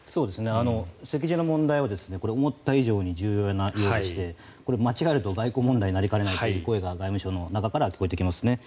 席次の問題は思った以上に重要な要素でしてこれ、間違えると外交問題になりかねないという声が外務省の中からは聞こえてきますね。